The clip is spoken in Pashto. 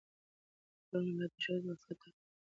کارونه باید د ښځې عفت ته خطر ونه رسوي.